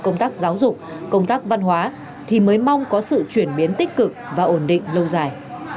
công tác giáo dục công tác văn hóa thì mới mong có sự chuyển biến tích cực và ổn định lâu dài